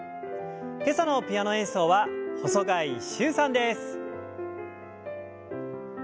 今朝のピアノ演奏は細貝柊さんです。